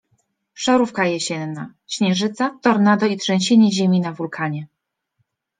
Szarówka jesienna. Śnieżyca, tornado i trzęsienie ziemi na wulkanie.